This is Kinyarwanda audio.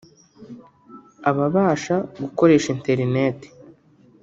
[ababasha gukoresha internet]